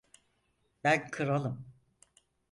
Ben kralım.